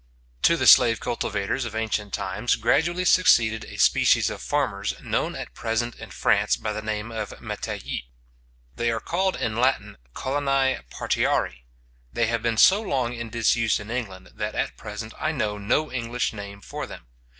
To the slave cultivators of ancient times gradually succeeded a species of farmers, known at present in France by the name of metayers. They are called in Latin Coloni Partiarii. They have been so long in disuse in England, that at present I know no English name for them.